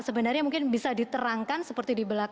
sebenarnya mungkin bisa diterangkan seperti dibilang